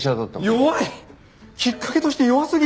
弱い！